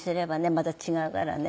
また違うからね